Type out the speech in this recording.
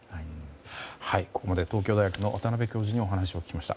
ここまで東京大学の渡部教授にお話を聞きました。